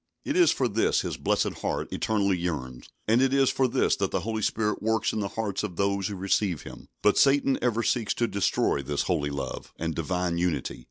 It is for this His blessed heart eternally yearns, and it is for this that the Holy Spirit works in the hearts of those who receive Him. But Satan ever seeks to destroy this holy love and divine unity.